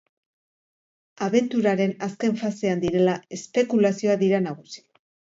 Abenturaren azken fasean direla, espekulazioak dira nagusi.